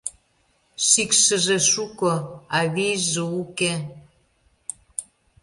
Шикшыже шуко, а вийже уке.